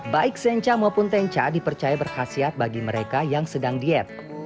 baik zencha maupun tenca dipercaya berkhasiat bagi mereka yang sedang diet